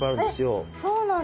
えっそうなんだ！